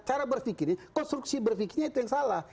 cara berpikir ini konstruksi berpikirnya itu yang salah